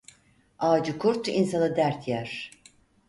Ağacı kurt, insanı dert yer.